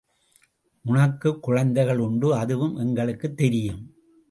உனக்குக் குழந்தைகள் உண்டு அதுவும் எங்களுக்குத் தெரியும்.